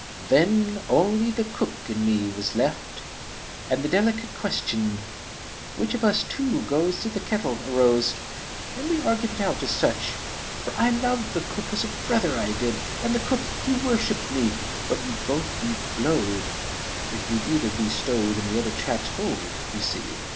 "Then only the cook and me was left, And the delicate question, 'Which Of us two goes to the kettle?' arose And we argued it out as sich. "For I Ioved that cook as a brother, I did, And the cook he worshipped me; But we'd both be blowed if we'd either be stowed In the other chap's hold, you see.